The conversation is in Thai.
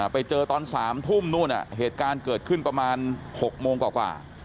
ไปเจอตอน๓ทุ่มนู่นเหตุการณ์เกิดขึ้นประมาณ๖โมงกว่า